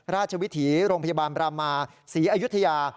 ราชวิถีโรงพยาบาลบรามาศรีอยุธยา